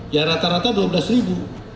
ya rata rata rp dua belas